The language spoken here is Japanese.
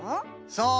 そう。